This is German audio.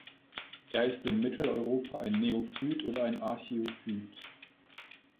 Er ist in Mitteleuropa ein Neophyt oder ein Archäophyt.